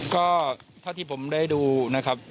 ก็เท่าที่ผมได้ดูนะครับ